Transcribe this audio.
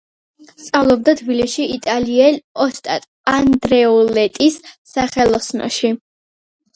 სწავლობდა თბილისში იტალიელ ოსტატ ანდრეოლეტის სახელოსნოში.